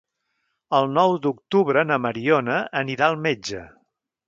El nou d'octubre na Mariona anirà al metge.